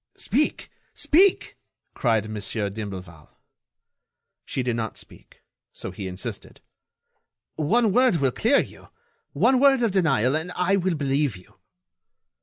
"Speak! Speak!" cried Mon. d'Imblevalle. She did not speak. So he insisted: "One word will clear you. One word of denial, and I will believe you."